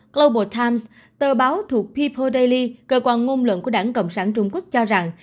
global times tờ báo thuộc pipo daily cơ quan ngôn luận của đảng cộng sản trung quốc cho rằng